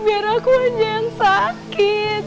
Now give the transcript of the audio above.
biar aku aja yang sakit